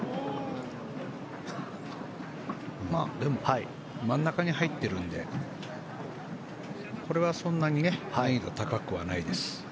まあでも真ん中に入ってるのでこれはそんなに難易度高くはないです。